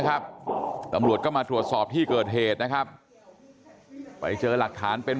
ครับตำรวจก็มาตรวจสอบที่เกิดเหตุนะครับไปเจอหลักฐานเป็น